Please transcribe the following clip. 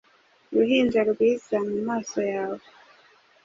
Uruhinja rwiza, mumaso yawe